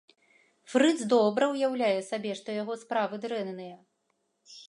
Фрыц добра ўяўляе сабе, што яго справы дрэнныя.